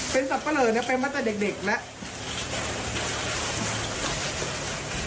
เป็นสับปะเหลอเนี่ยเป็นมาตั้งแต่เด็กแล้ว